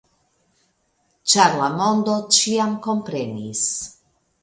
Ĉar la mondo ĉiam komprenis.